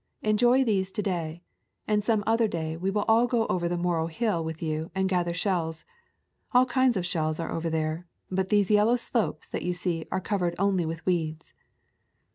Enjoy these to day, and some other day we will all go over the Morro Hill with you and gather shells. All kinds of shells are over there; but these yellow slopes that you see are covered only with weeds."